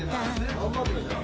・頑張ってたじゃん。